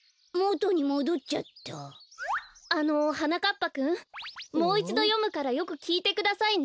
ぱくんもういちどよむからよくきいてくださいね。